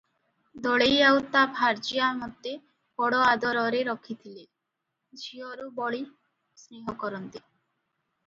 ଦଳେଇ ଆଉ ତା ଭାର୍ଯ୍ୟା ମୋତେ ବଡ ଆଦରରେ ରଖିଥିଲେ, ଝିଅରୁ ବଳି ସ୍ନେହ କରନ୍ତି ।